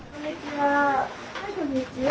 はいこんにちは。